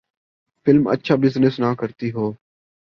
Film اچھا business نہ کرتی ہو۔